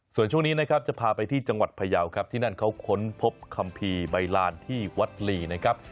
ส่วนช่วงนี้นะครับจะพาไปที่จังหวัดพยาวครับที่นั่นเขาค้นพบคัมภีร์ใบลานที่วัดลีนะครับ